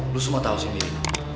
lu semua tau sih miri